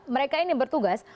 mereka ini bertugas